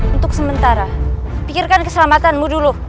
untuk sementara pikirkan keselamatanmu dulu